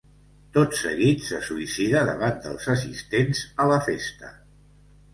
Tot seguit se suïcida davant dels assistents a la festa.